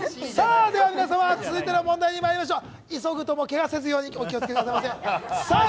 では皆様、続いての問題にまいりましょう。